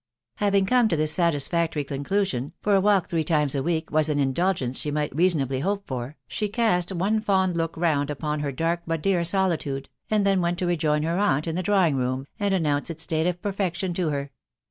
Haying come to this1 satisfactory conclusion (for a walk three times a week was an indulgence she might reasonably hope for), she east one4 fond look round upon her dark but dear solitude, and then went to rejoin her aunt in the drawing* room, and announce its state of perfection. to her.